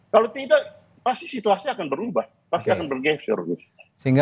kalau tidak pasti situasi akan berubah